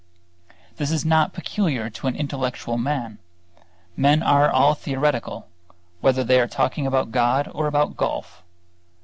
This is not peculiar to intellectual men; men are all theoretical, whether they are talking about God or about golf.